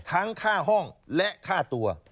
ค่าห้องและค่าตัว